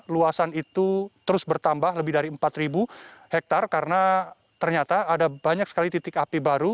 luasan itu terus bertambah lebih dari empat hektare karena ternyata ada banyak sekali titik api baru